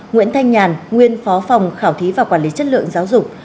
nguyễn thanh nhàn nguyên phó phòng khảo thí và quản lý chất lượng giáo dục